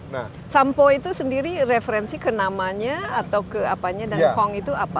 nah sampo itu sendiri referensi ke namanya atau ke apanya dan kong itu apa